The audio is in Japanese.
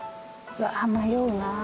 うわ迷うなぁ。